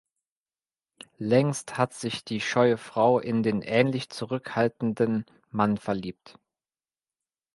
Längst hat sich die scheue Frau in den ähnlich zurückhaltenden Mann verliebt.